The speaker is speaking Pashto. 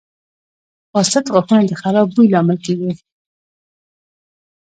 • فاسد غاښونه د خراب بوی لامل کیږي.